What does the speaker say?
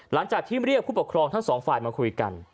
หลังจากที่เรียกผู้ปกครองทั้งสองฝ่ายมาคุยกัน